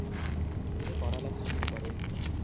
তিনি পড়ালেখা শুরু করেন।